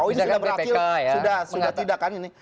oh ini sudah berakhir sudah tidak kan ini